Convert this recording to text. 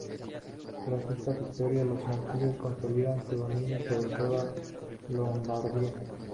Tras esta victoria, los franceses consolidan su dominio sobre toda Lombardía.